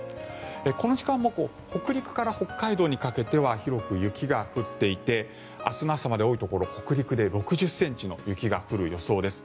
この時間北陸から北海道にかけては広く雪が降っていて明日の朝まで多いところ、北陸で６０ｃｍの雪が降る予想です。